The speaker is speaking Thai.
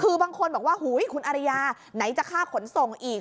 คือบางคนบอกว่าคุณอริยาไหนจะค่าขนส่งอีก